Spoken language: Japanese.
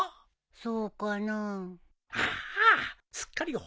そうかなあ。